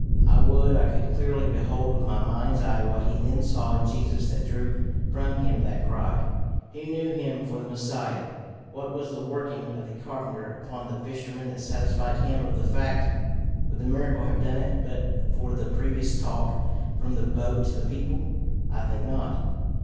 I would I could clearly behold with my mind's eye what he then saw in Jesus that drew from him that cry! He knew him for the Messiah: what was the working of the carpenter upon the fisherman that satisfied him of the fact? Would the miracle have done it but for the previous talk from the boat to the people? I think not.